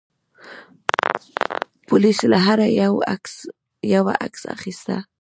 پولیس له هر یوه عکس اخیسته.